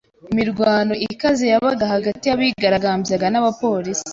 Imirwano ikaze yabaye hagati y’abigaragambyaga n’abapolisi.